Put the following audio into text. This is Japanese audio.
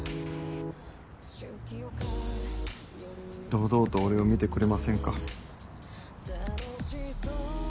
堂々と俺を見てくれませんか？